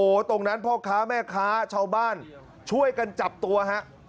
โอ้โหตรงนั้นพ่อค้าแม่ค้าชาวบ้านช่วยกันจับตัวฮะ